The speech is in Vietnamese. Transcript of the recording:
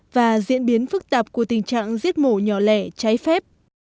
và diễn biến phức tạp của tình trạng giết mổ nhỏ lẻ trái phép